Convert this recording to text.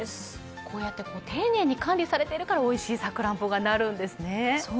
こうやって丁寧に管理されているからおいしいさくらんぼがなるんですね。